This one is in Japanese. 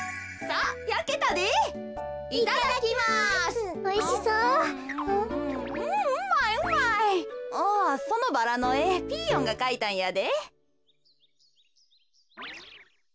あそのバラのえピーヨンがかいたんやで。